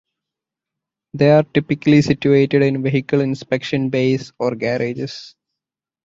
They are typically situated in vehicle inspection bays or garages.